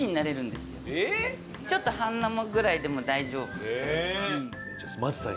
ちょっと半生ぐらいでも大丈夫。